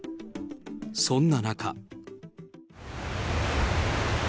そんな中。